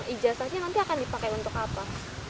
ijazahnya nanti akan dipakai untuk apa